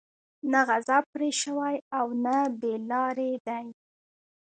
نه غضب پرې شوى او نه بې لاري دي.